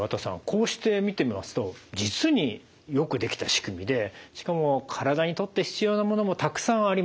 こうして見てみますと実によくできた仕組みでしかも体にとって必要なものもたくさんありました。